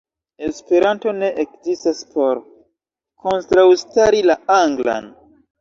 Esperanto ne ekzistas por kontraŭstari la anglan.